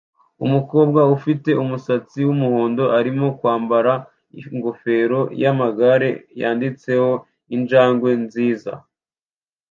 Umukobwa ufite umusatsi wumuhondo arimo kwambara ingofero yamagare yanditseho "injangwe nziza"